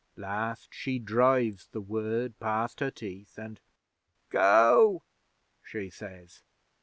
'Last she drives the word past her teeth, an' "Go!" she says.